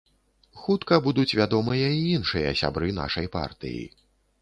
Хутка будуць вядомыя і іншыя сябры нашай партыі.